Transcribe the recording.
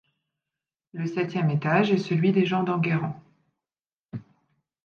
Le septième étage est celui des gens d’Enguerrand.